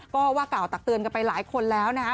ก็ว่ากล่าวตักเตือนกันไปหลายคนแล้วนะฮะ